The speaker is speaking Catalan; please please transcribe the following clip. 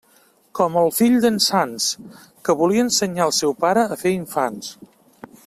Com el fill d'en Sanç, que volia ensenyar el seu pare a fer infants.